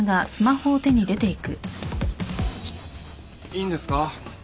いいんですか？